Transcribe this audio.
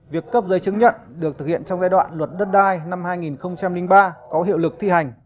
việc cấp giấy chứng nhận được thực hiện trong giai đoạn luật đất đai năm hai nghìn ba có hiệu lực thi hành